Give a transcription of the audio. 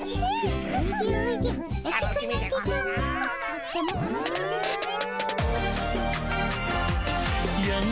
とっても楽しみですね。